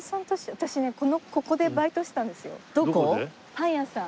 パン屋さん。